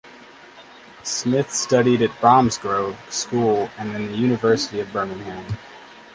Smith studied at Bromsgrove School and then the University of Birmingham.